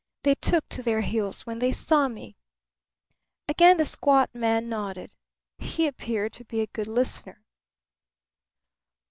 They took to their heels when they saw me." Again the squat man nodded. He appeared to be a good listener.